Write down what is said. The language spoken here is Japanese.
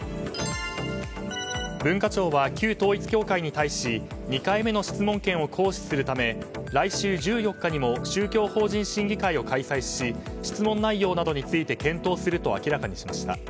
文化庁は旧統一教会に対し２回目の質問権を行使するため来週１４日にも宗教法人審議会を開催し質問内容などについて検討すると明らかにしました。